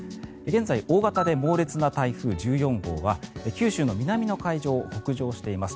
現在、大型で猛烈な台風１４号は九州の南の海上を北上しています。